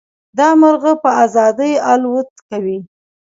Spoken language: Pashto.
دا مرغه په ازادۍ الوت کوي.